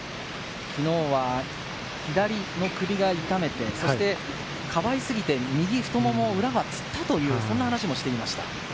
昨日は左の首を痛めて、かばいすぎて、右太ももの裏がつったという話もしていました。